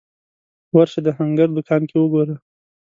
ورشه د هنګر دوکان کې وګوره